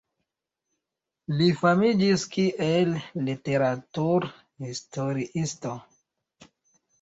Li famiĝis kiel literaturhistoriisto.